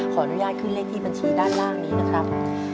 ขออนุญาตขึ้นเลขที่บัญชีด้านล่างนี้นะครับ